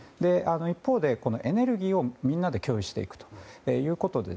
一方で、エネルギーをみんなで共有していくということで